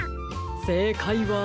せいかいは。